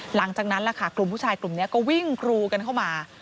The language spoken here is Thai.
หลังจากนั้นล่ะค่ะกลุ่มผู้ชายกลุ่มนี้ก็วิ่งกรูกันเข้ามา